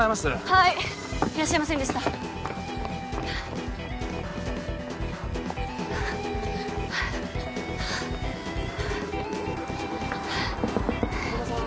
はいいらっしゃいませんでした紺野さん